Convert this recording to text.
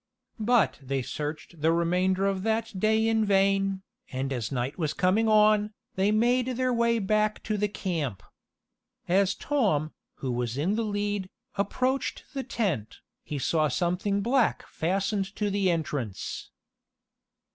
But they searched the remainder of that day in vain, and as night was coming on, they made their way back to the camp. As Tom, who was in the lead, approached the tent, he saw something black fastened to the entrance.